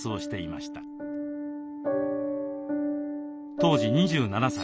当時２７歳。